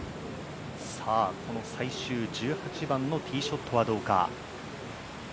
この最終１８番のティーショットはどうか。